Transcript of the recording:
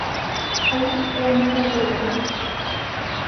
Aí é onde está o problema.